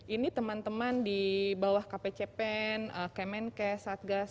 ini teman teman di bawah kpcpen kemenkes satgas